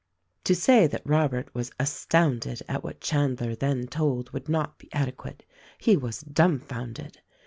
To say that Robert was astounded at what Chandler then told would not be adequate. He was dumbfounded.